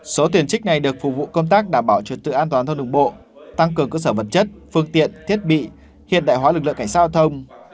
số tiền trích này được phục vụ công tác đảm bảo trật tự an toàn thông đồng bộ tăng cường cơ sở vật chất phương tiện thiết bị hiện đại hóa lực lượng cảnh sát giao thông